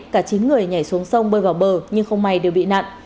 cả chín người nhảy xuống sông bơi vào bờ nhưng không may đều bị nạn